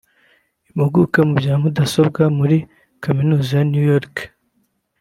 Impuguke mu bya mudasobwa muri Kaminuza ya New York